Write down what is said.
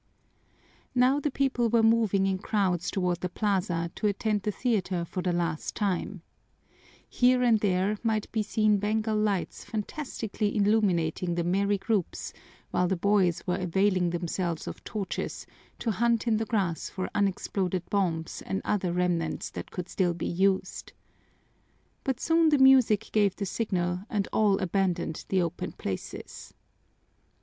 Now the people were moving in crowds toward the plaza to attend the theater for the last time, Here and there might be seen Bengal lights fantastically illuminating the merry groups while the boys were availing themselves of torches to hunt in the grass for unexploded bombs and other remnants that could still be used. But soon the music gave the signal and all abandoned the open places.